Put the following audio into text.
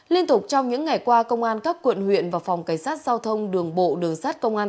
liên tục trong những ngày qua công an các quận huyện và phòng cảnh sát giao thông đường bộ đường sát công an